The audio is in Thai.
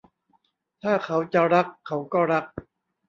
ถ้าเขาจะรัก เขาก็รัก